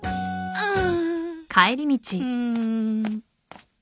うん？